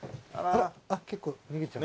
あっ結構逃げちゃう。